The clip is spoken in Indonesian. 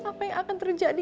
apa yang akan terjadi